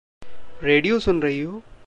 Radio सुन रही हो?